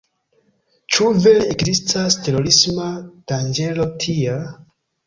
Ĉu vere ekzistas terorisma danĝero tia?